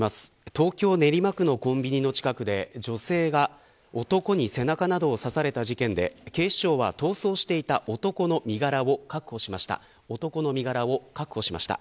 東京、練馬区のコンビニの近くで女性が男に背中などを刺された事件で警視庁は逃走していた男の身柄を確保しました。